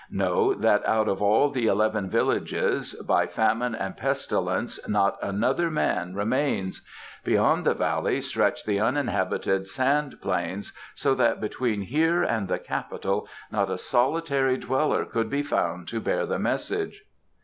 Know that out of all the eleven villages by famine and pestilence not another man remains. Beyond the valley stretch the uninhabited sand plains, so that between here and the Capital not a solitary dweller could be found to bear the message."